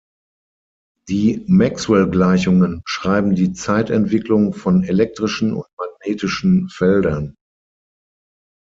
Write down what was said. Die Maxwell-Gleichungen beschreiben die Zeitentwicklung von elektrischen- und magnetischen Feldern.